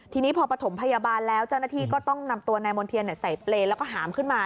ทีนี้พอปฐมพยาบาลแล้วเจ้าหน้าที่ก็ต้องนำตัวนายมณ์เทียนใส่เปรย์แล้วก็หามขึ้นมา